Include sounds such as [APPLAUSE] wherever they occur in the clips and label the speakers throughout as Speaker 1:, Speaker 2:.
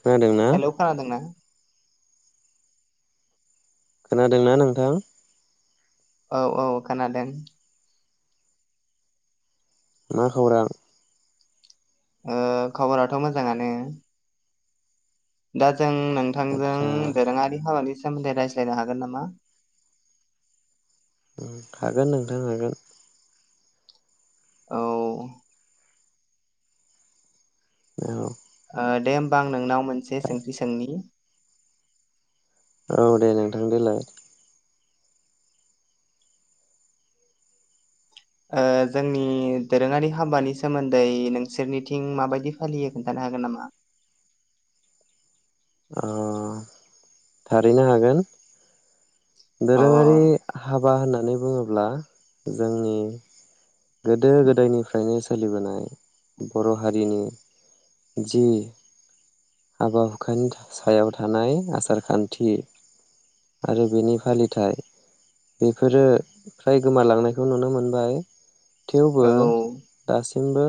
Speaker 1: खोनादोंना
Speaker 2: [INAUDIBLE] हेलौ खोनादोंना?
Speaker 1: खोनादोंना नोंथां?
Speaker 2: औ औ खोनादों
Speaker 1: मा खौरां?
Speaker 2: ओ खबराथ' मोजाङानो। दा जों नोंथांजों
Speaker 1: आदसा
Speaker 2: दोरोङारि हाबानि सोमोन्दै रायज्लायनो हागोन नामा?
Speaker 1: ओम हागोन नोंथां हागोन।
Speaker 2: औ
Speaker 1: औ
Speaker 2: ओ दे होनब आं नोंनाव मोनसे सोंथि सोंनि
Speaker 1: औ दे नोंथां देलाय।
Speaker 2: ओ जोंनि दोरोङारि हाबानि सोमोन्दै नोंसोरनिथिं माबायदि फालियो खोन्थानो हागोन नामा?
Speaker 1: अ थारैनो हागोन
Speaker 2: अ
Speaker 1: दोरोङारि हाब हाबा होननानै बुङोब्ला जोंनि गोदो गोदायनिफ्रायनो सोलिबोनाय बर' हारिनि जि हाबा हुखानि सायाव थानाय आसार खान्थि आरो बेनि फालिथाय बेफोरो फ्राय गोमालांनायखौ नुनो मोनबाय
Speaker 2: औ
Speaker 1: थेवबो दासि बो।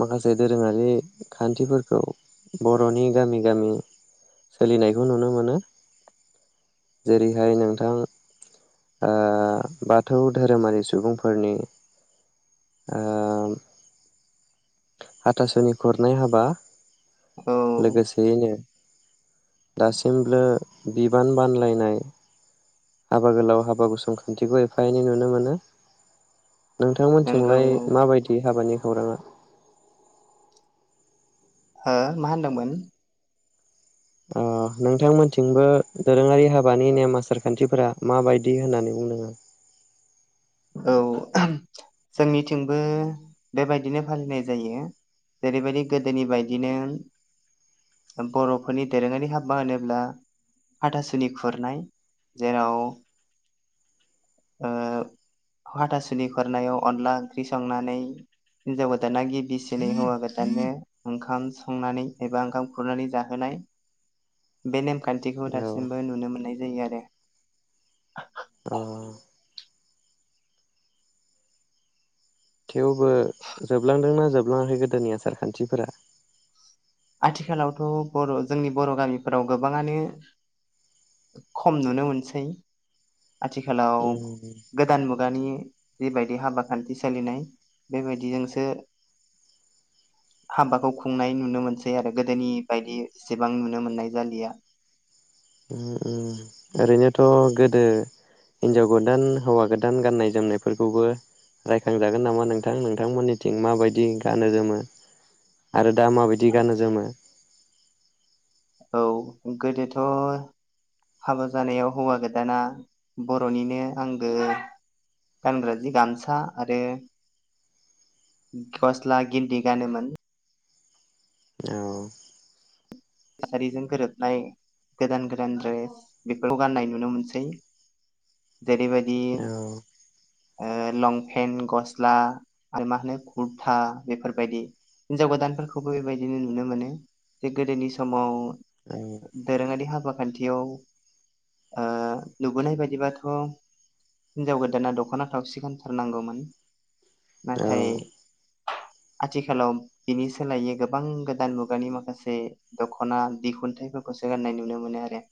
Speaker 1: माखासे दोरोङारि खान्थिफोरखौ बर'नि गामि गामि सोलिनायखौ नुनो मोनो जेरैहाय नोंथां। ओ बाथौ धोरोमारि सुबुंफोरनि। ओ। हाथासुनि खुरनाय हाबा।
Speaker 2: औ
Speaker 1: लोगोसेयैनो। दासिमबो बिबान बानलायनाय। हाबा गोलाव हाबा गुसं खान्थिखौ एफा एनै नुनो मोनो।
Speaker 2: नंगौ
Speaker 1: नोंथांमोनथिलाय
Speaker 2: औ
Speaker 1: माबायदि हाबानि। खौराङा।
Speaker 2: हो मा होनदोंमोन?
Speaker 1: अ नोंथांमोनथिंबो दोरोङारि हाबानि नेम आसारखान्थिफोरा माबायदि होननानै बुंदों?
Speaker 2: औ जोंनिथिंबो बेबायदिनो फालिनाय जायो जेरैबायदि गोदोनि बायदिनो बर'फोरनि दोरोङारि हाबा होनोब्ला हाथासुनि खुरनाय जेराव। ओ हाथासुनि खुरनायाव अनला ओंख्रि संनानै हिनजाव गोदाना गिबिसिनै हौवा गोदाननो ओंखाम संनानै एबा ओंखाम खुरनानै जाहोनाय बे ने। खान्थिखौ
Speaker 1: औ
Speaker 2: दासिमबो नुनो मोननाय। जायो आरो।
Speaker 1: अ। थेवबो जोबलांदोंना जोबलाङाखै गोदोनि आसार खान्थिफोरा?
Speaker 2: आथिखालावथ' बर' जोंनि बर' गामिफोराव गोबाङानो खम नुनो मोनसै। आथिखालाव
Speaker 1: उम
Speaker 2: गोदान मुगानि। जिबायदि हाबा खान्थि सोलिनाय बेबायदिजोंसो हाबाखौ खुंनाय नुनो मोनसै आरो गोदोनि बायदि एसेबां नुनो मोननाय जालिया।
Speaker 1: ओम ओम ओरैनोथ' गोदो हिनजाव गोदान हौवा गोदान गाननाय जोमनायफोरखौबो रायखांजागोन नामा नोंथां नोंथांमोननिथिं माबायदि गानो जोमो आरो। दा माबायदि गानो जोमो।
Speaker 2: औ गोदोथ' हाबा जानायाव हौवा गोदाना बर'निनो आंगो गानग्रा जि गामसा आरो गस्ला गिन्दि गानोमोन।
Speaker 1: औ
Speaker 2: थासारिजों गोरोबनाय गोदान गोदान रेस बेफोरखौ गाननाय नुनो मोनसै जेरैबायदि।
Speaker 1: औ।
Speaker 2: ओ लंपेन्ट गस्ला आरो मा होनो कुरथा बेफोरबायदि हिनजाव गोदानफोरखौबो बेबायदिनो नुनो मोनो जे गोदोनि। समाव
Speaker 1: औ
Speaker 2: दोरोङारि हाबा खान्थियाव नुबोनाय बायदिबाथ' हिनजाव गोदाना दख'ना थाव सि गांथारनांगौमोन
Speaker 1: औ
Speaker 2: नाथाय आथिखालाव बिनि सोलायै गोबां गोदान मुगानि माखासे। दख'ना दिखुनथाइफोरखौसो गाननाय नुनो मोनो आरो।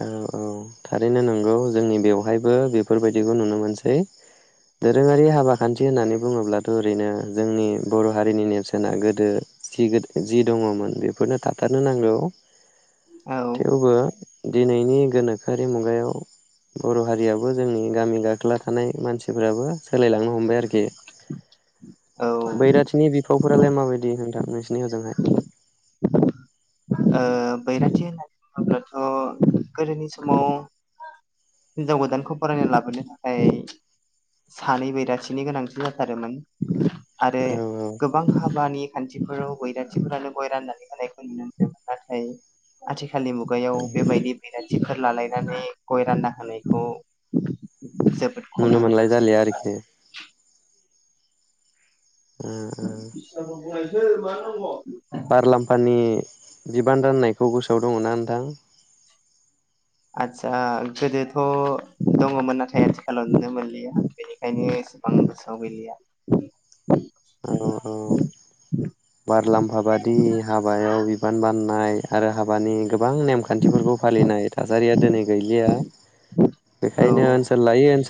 Speaker 1: औ औ थारैनो नंगौ जोंनि बेवहायबो बेफोरबायदिखौ नुनो मोनसै दोरोङारि हाबा खान्थि होननानै बुङोब्लाथ' ओरैनो जोंनि बर' हारिनि नेरसोनना गोदो जि दङमोन बेफोरनो थाथारनो नांगौ।
Speaker 2: औ
Speaker 1: थेवबो। दिनैनि गोनोखो। आखोरि मुगायाव बर' हारियाबो जोंनि गामि गाखोला थानाय मानसिफोराबो सोलायलांनो हमबाय आरोखि।
Speaker 2: औ
Speaker 1: [UNINTELLIGIBLE] सिखावफोरालाय माबायदि नोंथां नोंसिनि हजोंहाय।
Speaker 2: ओ बैराथि होननानै बुङोब्लाथ' गोदोनि समाव हिनजाव गोदानखौ बरायना लाबोनो थाखाय सानै बैराथिनि गोनांथि जाथारमोन। आरो
Speaker 1: औ
Speaker 2: गोबां हाबानि खान्थिफोराव बैराथिफोरानो गय राननानै होनायखौ नुनो मोनोमोन। नाथाय आथिख खालनि मुगायाव
Speaker 1: औ
Speaker 2: बेबायदि बै राथिफोर लालायनानै गय रानना होनायखौ जोबोद खम
Speaker 1: नु
Speaker 2: नुनो
Speaker 1: मोनलाय
Speaker 2: मोनसै
Speaker 1: जलिया आरोखि उम उम
Speaker 2: थो मा दङ।
Speaker 1: बारलाम्फानि बिबान राननायखौ गोसोआव दङ ना नोंथां
Speaker 2: आदसा गोदोथ' दङमोन नाथाय आथिखालाव नुनो मोनलिया बेनिखायनो एसेबां गोसोआव गैलिया
Speaker 1: औ औ बारलाम्फा बादि हाबायाव बिबान बाननाय आरो हाब बानि गोबां नेमखान्थिफोरखौ फालिनाय थासारिया दिनै गैलिया बेखायनो
Speaker 2: औ
Speaker 1: ओनसोल लायै ओनसोल